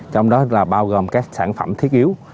trong đó là bao gồm các sản phẩm thiết yếu